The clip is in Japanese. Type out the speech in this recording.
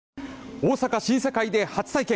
大阪、新世界で初体験。